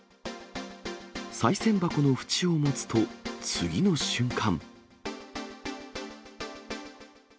さい銭箱の縁を持つと、次の瞬間。